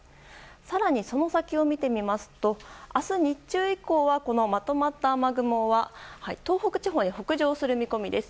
更に、その先を見てみますと明日日中以降はまとまった雨雲は東北地方へ北上する見込みです。